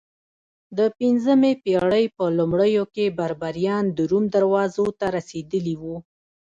د پنځمې پېړۍ په لومړیو کې بربریان د روم دروازو ته رسېدلي وو